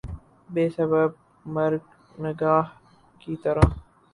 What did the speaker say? بے سبب مرگ ناگہاں کی طرح